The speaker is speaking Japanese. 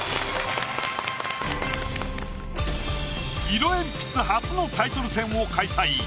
色鉛筆初のタイトル戦を開催。